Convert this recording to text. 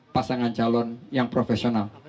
pasangan calon yang profesional